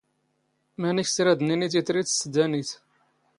ⵎⴰⵏⵉⴽ ⵙ ⵔⴰⴷ ⵏⵉⵏⵉ ⵜⵉⵜⵔⵉⵜ ⵙ ⵜⴷⴰⵏⵉⵜ?